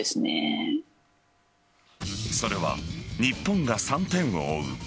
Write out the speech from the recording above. それは日本が３点を追う